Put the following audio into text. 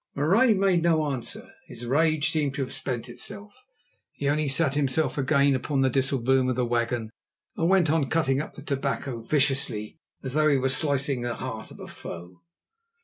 Marais made no answer; his rage seemed to have spent itself. He only sat himself again upon the disselboom of the wagon and went on cutting up the tobacco viciously, as though he were slicing the heart of a foe.